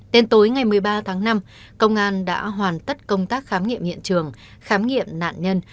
đến tối ngày một mươi ba tháng năm công an đã hoàn tất công tác khám nghiệm hiện trường khám nghiệm nạn nhân